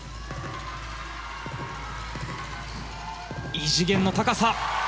異次元の高さ！